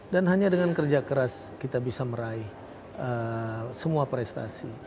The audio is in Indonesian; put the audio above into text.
dan hanya dengan kerja keras kita bisa meraih semua prestasi